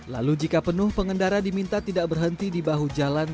lalu jika penuh pengendara diminta tidak berhenti di bahu jalan